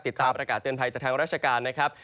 ติดตามประกาศเตือนภัยจากทางราชการนะครับ